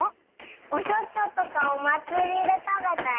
おそととかおまつりでたべたよ。